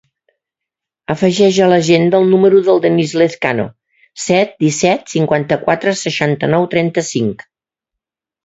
Afegeix a l'agenda el número del Denís Lezcano: set, disset, cinquanta-quatre, seixanta-nou, trenta-cinc.